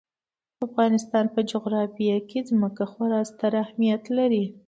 د افغانستان په جغرافیه کې ځمکه خورا ستر اهمیت لري.